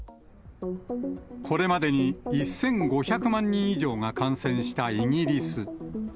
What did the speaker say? これまでに１５００万人以上が感染したイギリス。